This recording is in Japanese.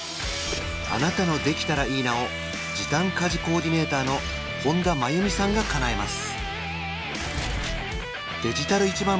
あなたの「できたらいいな」を時短家事コーディネーターの本多真弓さんがかなえます